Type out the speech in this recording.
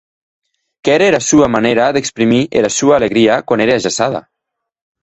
Qu’ère era sua manèra d’exprimir era sua alegria quan ère ajaçada.